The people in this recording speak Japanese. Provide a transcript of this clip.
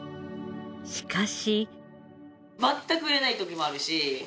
しかし。